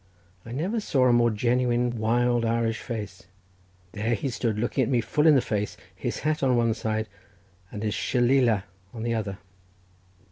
I never saw a more genuine wild Irish face—there he stood, looking at me full in the face, his hat in one hand, and his shillealah in the other.